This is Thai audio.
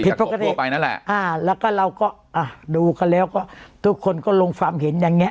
ผิดปกติอ่าแล้วก็เราก็อ่ะดูกันแล้วก็ทุกคนก็ลงความเห็นอย่างเงี้ย